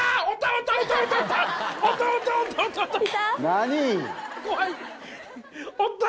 何？